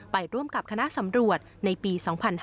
ไปร่วมกับคณะสำรวจในปี๒๕๕๙